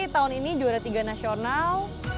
tahun ini juara tiga nasional